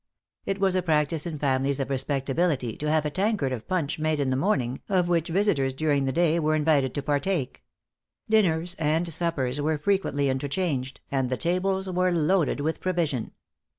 It was a practice in families of respectability, to have a tankard of punch made in the morning, of which visitors during the day were invited to partake. Dinners and suppers were frequently interchanged: and the tables were loaded with provision.